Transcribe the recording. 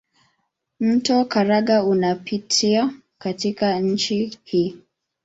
Mto Karanga unapita katika nchi hii.